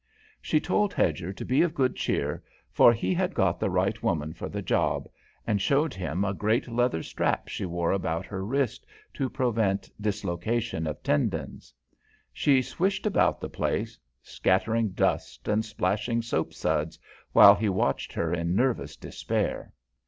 She told Hedger to be of good cheer, for he had got the right woman for the job, and showed him a great leather strap she wore about her wrist to prevent dislocation of tendons. She swished about the place, scattering dust and splashing soapsuds, while he watched her in nervous despair.